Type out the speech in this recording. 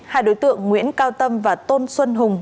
hai đối tượng nguyễn cao tâm và tôn xuân hùng